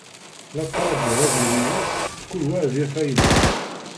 La ttrağun ad yali wass, kul wa ad yaf ayla-s.